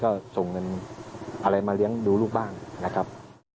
ก็ส่งเงินอะไรมาเลี้ยงดูลูกบ้างนะครับ